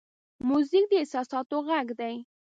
موزیک د احساساتو غږ دی.